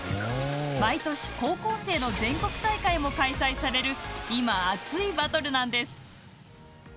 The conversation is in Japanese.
毎年高校生の全国大会も開催される今、熱いバトルなんです。